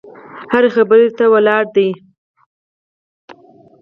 هرې خبرې ته دې ولاړ دي.